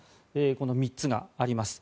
この３つがあります。